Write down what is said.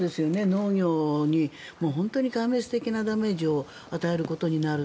農業に本当に壊滅的なダメージを与えることになる。